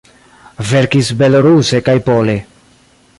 Verkis beloruse kaj pole.